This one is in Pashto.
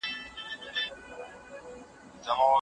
مخکې له دې سانسور ډېر استعدادونه وژلي وو.